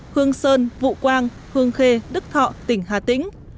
hương sơn vũ quang hương khê đức thọ tỉnh hà tĩnh